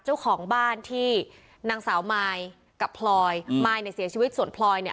เจ้าของบ้านที่นางสาวมายกับพลอยมายเนี่ยเสียชีวิตส่วนพลอยเนี่ย